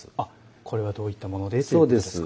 これはどういったものでということですか。